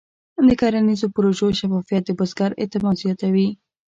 د کرنیزو پروژو شفافیت د بزګر اعتماد زیاتوي.